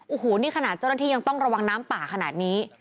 โอ้โหนี่ขนาดเจ้าหน้าที่ยังต้องระวังน้ำป่าขนาดนี้